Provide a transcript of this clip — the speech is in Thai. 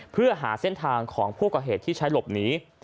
เพื่อหาเส้นทางของผู้ก่อเหตุที่ใช้หลบหนี